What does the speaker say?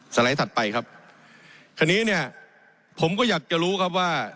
สะไหนต่อไปครับคณิดีเนี่ยผมก็อยากจะรู้ครับว่า